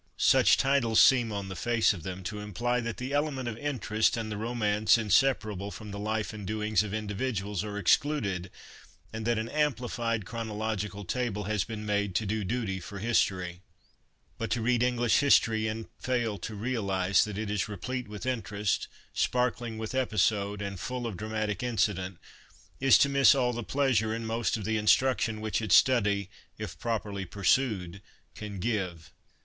Such titles seem on the face of them to imply that the element of interest and the romance inseparable from the life and doings of in dividuals are excluded, and that an amplified chrono logical table has been made to do duty for history. But to read English history and fail to realise that it is replete with interest, sparkling with episode, and 1 See Appendix A. LESSONS AS INSTRUMENTS OF EDUCATION 291 full of dramatic incident, is to miss all the pleasure and most of the instruction which its study, if properly pursued, can give."